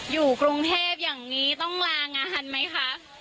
อยู่กรุงเทพอย่างนี้ต้องลางานไหมคะ